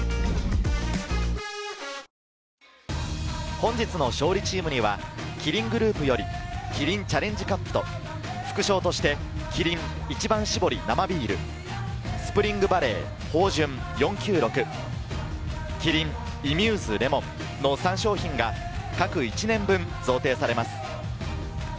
本日の勝利チームにはキリングループよりキリンチャレンジカップと副賞としてキリン『一番搾り生ビール』、『ＳＰＲＩＮＧＶＡＬＬＥＹ豊潤４９６』、キリン『ｉＭＵＳＥレモン』の３商品が各１年分、贈呈されます。